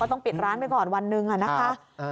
ต้องปิดร้านไปก่อนวันหนึ่งอะนะคะ